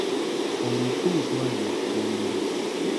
Oluku lutwale mu ffumbiro.